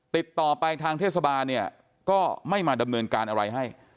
ติดต่อไปทางเทศบาลเนี่ยก็ไม่มาดำเนินการอะไรให้